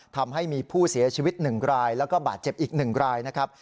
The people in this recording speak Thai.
ทำให้มีผู้เสียชีวิต๑รายแล้วก็บาดเจ็บอีก๑รายนะครับ